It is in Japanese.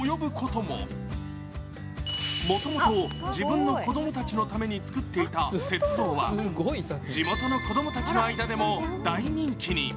もともと自分の子供たちのために作っていた雪像は地元の子供たちの間でも大人気に。